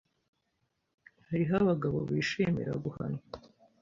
Hariho abagabo bishimira guhanwa.